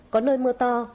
có nơi mưa to